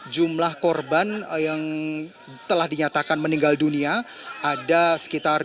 jumlah korban yang telah dinyatakan meninggal dunia ada sekitar dua ratus tujuh puluh satu orang